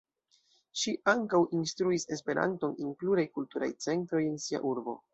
Ŝi ankaŭ instruis esperanton en pluraj kulturaj centroj en sia urbo.